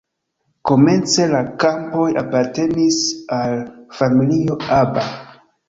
Komence la kampoj apartenis al familio Aba.